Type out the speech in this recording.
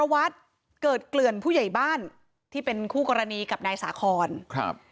วัดเกิดเกลื่อนผู้ใหญ่บ้านที่เป็นคู่กรณีกับนายสาคอนครับ